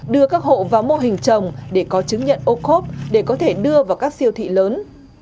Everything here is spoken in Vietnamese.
đưa các hộ vào mô hình trồng để có chứng nhận ô khốp để có thể đưa vào các siêu thị lớn